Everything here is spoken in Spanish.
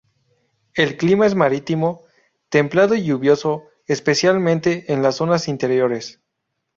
El clima es marítimo, templado y lluvioso, especialmente en las zonas interiores.